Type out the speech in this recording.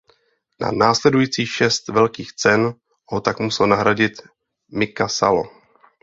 Na následujících šest Velkých Cen ho tak musel nahradit Mika Salo.